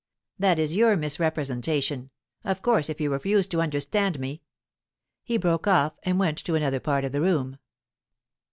"That is your misrepresentation. Of course, if you refuse to understand me " He broke off, and went to another part of the room.